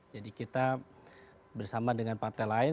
jadi kita bersama dengan partai lain